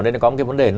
ở đây có một vấn đề